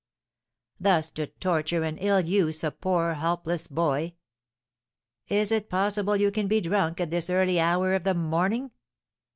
Thus to torture and ill use a poor helpless boy! Is it possible you can be drunk at this early hour of the morning?'